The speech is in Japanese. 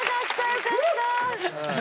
よかった！